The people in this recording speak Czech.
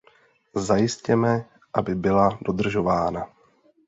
Zajistěme, aby byla dodržována!